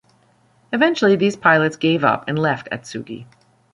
Eventually, these pilots gave up and left Atsugi.